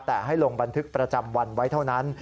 แต่ให้ลงบันทึกประจำวันไว้เท่านั้น